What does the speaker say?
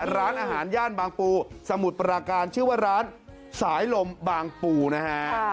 ร้านอาหารย่านบางปูสมุทรปราการชื่อว่าร้านสายลมบางปูนะฮะ